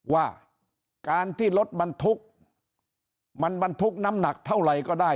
ว่าการที่รถมันทุกข์มันทุกข์น้ำหนักเท่าไหร่ก็ได้